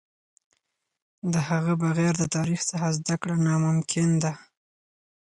د هغه بغیر د تاریخ څخه زده کړه ناممکن ده.